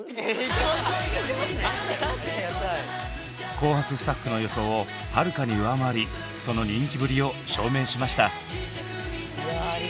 「紅白」スタッフの予想をはるかに上回りその人気ぶりを証明しました。